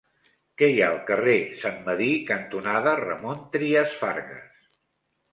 Què hi ha al carrer Sant Medir cantonada Ramon Trias Fargas?